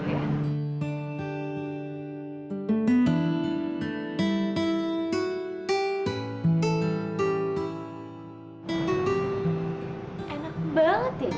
fik pawal sudah bertugas